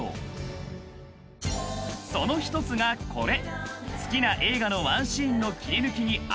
［その一つがこれ］